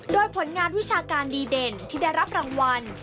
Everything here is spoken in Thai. โดยผลงานวิชาการดีเด่นที่ได้รับรางวัล